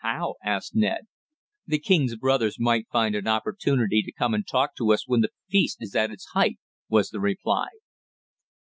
"How?" asked Ned. "The king's brothers may find an opportunity to come and talk to us when the feast is at its height," was the reply.